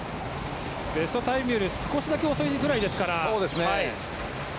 ベストタイムより少しだけ遅いくらいです。